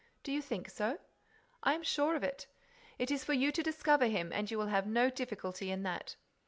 "Do you think so?" "I am sure of it. It is for you to discover him and you will have no difficulty in that.